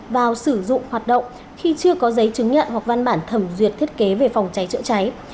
vào sử dụng hoạt động khi chưa có giấy chứng nhận hoặc văn bản thẩm duyệt thiết kế về phòng cháy chữa cháy